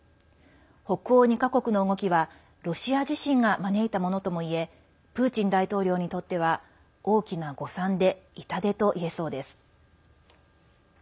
北欧２か国の動きはロシア自身が招いたものともいえプーチン大統領にとっては大きな誤算で痛手といえそうです。